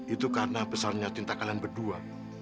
itu karena besarnya cinta kalian berdua